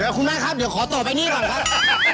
คุณแม่ครับเดี๋ยวขอต่อไปนี่ก่อนครับ